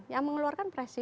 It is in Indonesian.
yang mengeluarkan pres